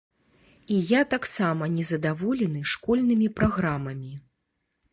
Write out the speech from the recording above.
І я таксама незадаволены школьнымі праграмамі.